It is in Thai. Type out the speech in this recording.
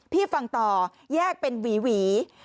พี่ฟังต่อแยกเป็นหวี